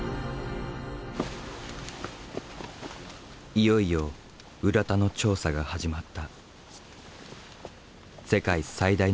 いよいよ浦田の調査が始まった。